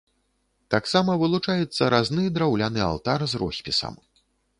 Таксама вылучаецца разны драўляны алтар з роспісам.